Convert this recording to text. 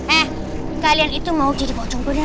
eh kalian itu mau jadi pocong beneran